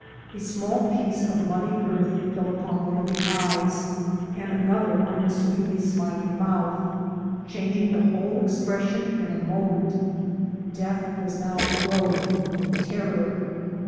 A small piece of muddy earth fell upon one of the eyes, and another on her sweetly smiling mouth, changing the whole expression in a moment ; death was now robed with terror.